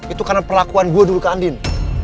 itu karena perlakuan gue dulu ke andin